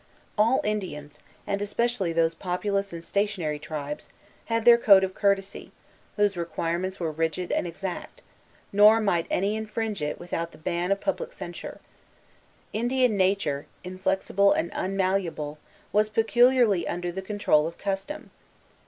All Indians, and especially these populous and stationary tribes, had their code of courtesy, whose requirements were rigid and exact; nor might any infringe it without the ban of public censure. Indian nature, inflexible and unmalleable, was peculiarly under the control of custom.